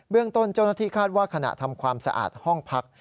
เรื่องต้นเจ้าหน้าที่คาดว่าขณะทำความสะอาดห้องพัก